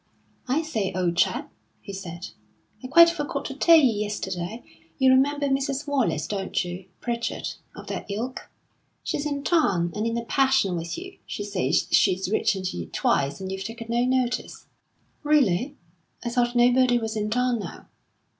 "I say, old chap," he said, "I quite forgot to tell you yesterday. You remember Mrs. Wallace, don't you Pritchard, of that ilk? She's in town, and in a passion with you. She says she's written to you twice, and you've taken no notice." "Really? I thought nobody was in town now."